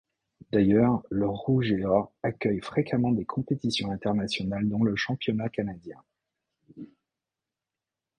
D'ailleurs, le Rouge et Or accueille fréquemment des compétitions internationales dont le championnat canadien.